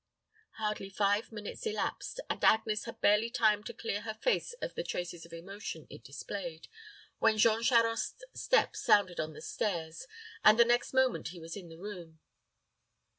Hardly five minutes elapsed, and Agnes had barely time to clear her face of the traces of emotion it displayed, when Jean Charost's step sounded on the stairs, and the next moment he was in the room.